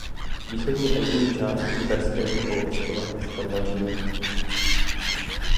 Východní a jižní část Iberského poloostrova připadla Římu.